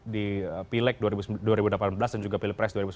di pileg dua ribu delapan belas dan juga pilpres dua ribu sembilan belas